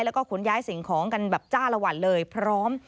แล้วก็ขนย้ายสิ่งของกันแบบจ้าละวันเลยพร้อม